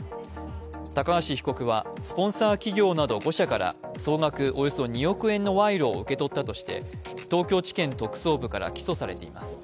高橋被告はスポンサー企業５社などから総額およそ２億円の賄賂を受け取ったとして東京地検特捜部から起訴されています。